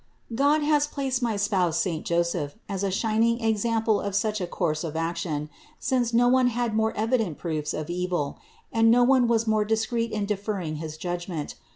God has placed my spouse, saint Joseph, as a shining example for such a course of action, since no one had more evident proofs of evil, and no one was more discreet in deferring his judgment.